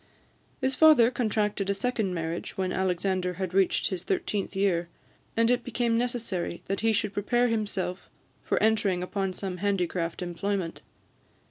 His father contracted a second marriage when Alexander had reached his thirteenth year; and it became necessary that he should prepare himself for entering upon some handicraft employment.